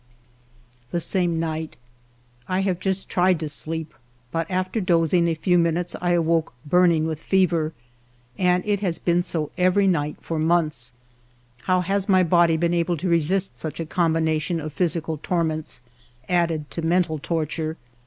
T^he same night, I have just tried to sleep, but after dozing a few minutes I awoke burning with fever ; and it has been so every night for months. How has my body been able to resist such a combination of physical torments added to mental torture?